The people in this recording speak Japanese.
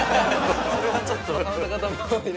それはちょっと。